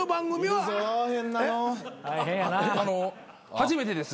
初めてです。